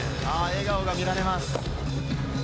笑顔が見られます。